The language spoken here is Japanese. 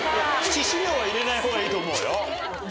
致死量は入れないほうがいいと思うよ。